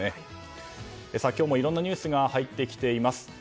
今日もいろんなニュースが入ってきています。